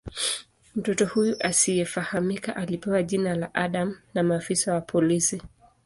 Mtoto huyu asiyefahamika alipewa jina la "Adam" na maafisa wa polisi.